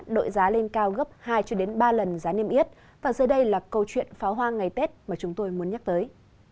đội giá lên cao gấp hai ba lần giá niêm yết và dưới đây là câu chuyện pháo hoa ngày tết mà chúng tôi muốn nhắc tới